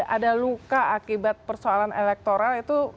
ada luka akibat persoalan elektoral itu